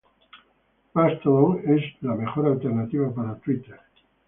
Mastodon es la mejor alternativa para Twitter